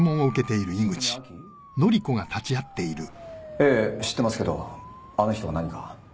ええ知ってますけどあの人が何か？